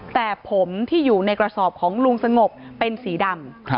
แต่ผมที่อยู่ในกระสอบของลุงสงบเป็นสีดำ